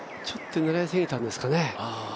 ちょっと狙い過ぎたんですかね。